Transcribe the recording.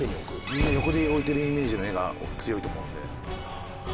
みんな横で置いてるイメージの画が強いと思うんで。